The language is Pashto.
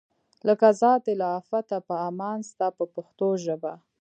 لکه ذات دی له آفته په امان ستا په پښتو ژبه.